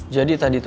jadi tadi itu